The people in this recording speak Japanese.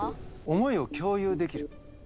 思いを共有できる。